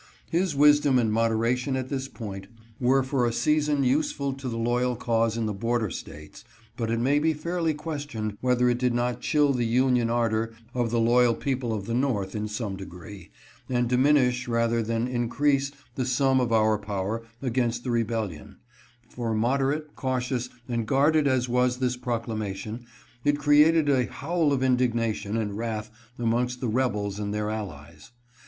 His wisdom and moderation at this point were for a season useful to the loyal cause in the border States, but it may be fairly questioned whether it did not chill the union ardor of the loyal people of the North in some degree, and diminish rather than increase the sum of our power against the re bellion ; for moderate, cautious, and guarded as was this proclamation, it created a howl of indignation and wrath amongst the rebels and their allies.